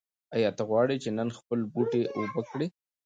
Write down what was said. ایا ته غواړې چې نن خپل بوټي اوبه کړې؟